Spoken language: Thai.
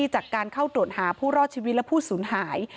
จากการเข้าตรวจหาผู้รอดชีวิตและผู้สูญหาย